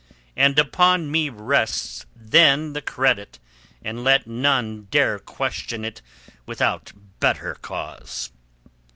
And upon me rests then the credit, and let none dare question it without better cause."